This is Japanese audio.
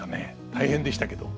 大変でしたけど。